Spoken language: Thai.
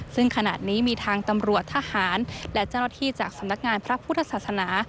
ซึ่งขณะนี้มีทางตำรวจทหารและเจ้าหน้าที่จากสำนักงานพระพุทธศาสนา